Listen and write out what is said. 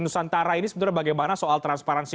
nusantara ini sebenarnya bagaimana soal transparansi